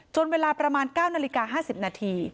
เวลาประมาณ๙นาฬิกา๕๐นาที